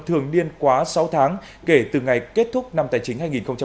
thường niên quá sáu tháng kể từ ngày kết thúc năm tài chính hai nghìn hai mươi